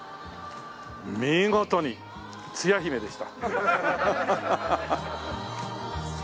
見事につや姫でした。